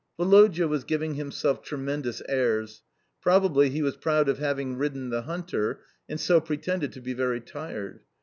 Woloda was giving himself tremendous airs. Probably he was proud of having ridden the hunter, and so pretended to be very tired.